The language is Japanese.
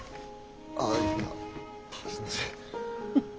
ああいやすいません。